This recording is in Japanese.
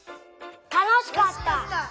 たのしかった！